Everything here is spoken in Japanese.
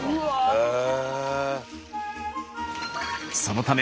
へえ。